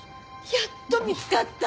やっと見つかった！